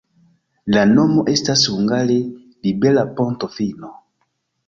La nomo estas hungare libera-ponto-fino.